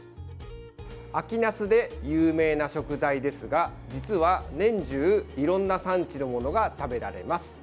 秋なすで有名な食材ですが実は、年中いろんな産地のものが食べられます。